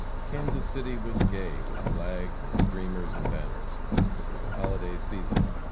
Kansas City was gay with flags and streamers and banners. It was a holiday season.